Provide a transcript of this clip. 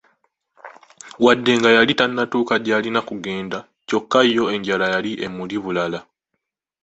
Wadde nga yali tanatuuka gy'alina kugenda, kyokka yo enjala yali emuli bulala!